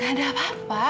gak ada apa apa